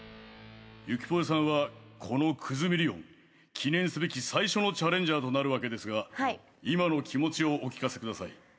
ゆきぽよさんはこの「クズミリオン」記念すべき最初のチャレンジャーとなるわけですが今の気持ちをお聞かせください